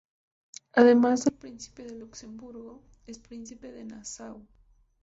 Además de príncipe de Luxemburgo, es príncipe de Nassau.